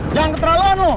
jangan keterlaluan lo